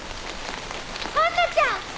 杏奈ちゃん！